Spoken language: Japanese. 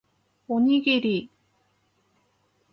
おにぎり